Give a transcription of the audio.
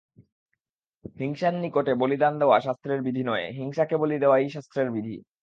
হিংসার নিকটে বলিদান দেওয়া শাস্ত্রের বিধি নহে, হিংসাকে বলি দেওয়াই শাস্ত্রের বিধি।